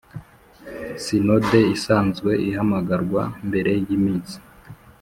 Sinode isanzwe Ihamagarwa mbere y iminsi